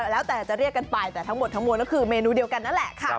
แล้วแต่จะเรียกกันไปแต่ทั้งหมดทั้งมวลก็คือเมนูเดียวกันนั่นแหละค่ะ